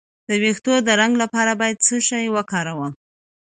د ویښتو د رنګ لپاره باید څه شی وکاروم؟